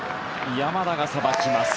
山田がさばきます。